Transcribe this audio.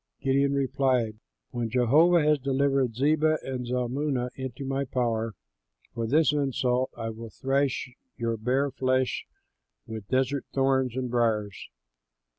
Gideon replied, "When Jehovah has delivered Zebah and Zalmunna into my power, for this insult I will thrash your bare flesh with desert thorns and briers."